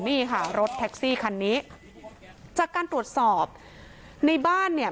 นี่ค่ะรถแท็กซี่คันนี้จากการตรวจสอบในบ้านเนี่ย